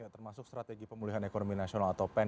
termasuk strategi pemulihan ekonomi nasional atau pen